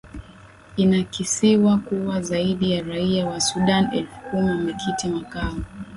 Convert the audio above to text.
inakisiwa kuwa zaidi ya raia wa sudan elfu kumi wamekita makao